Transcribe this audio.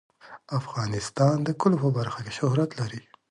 افغانستان د کلیو په برخه کې شهرت لري.